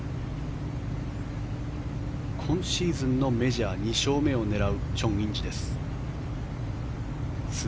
今シーズンのメジャー２勝目を狙うチョン・インジです。